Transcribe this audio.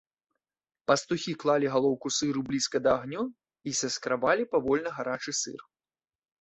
Пастухі клалі галоўку сыру блізка да агню і саскрабалі павольна гарачы сыр.